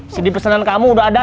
sedih pesanan kamu udah ada